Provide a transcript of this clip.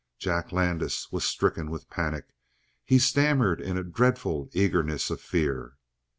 Jack Landis was stricken with panic: he stammered in a dreadful eagerness of fear.